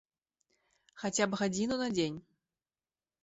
Хаця б гадзіну на дзень.